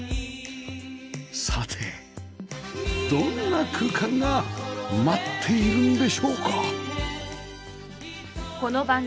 さてどんな空間が待っているんでしょうか？